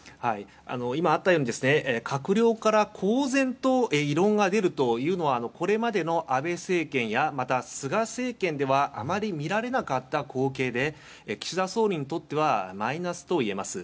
今あったように閣僚から公然と異論が出るというのはこれまでの安倍政権や菅政権ではあまり見られなかった光景で岸田総理にとってはマイナスといえます。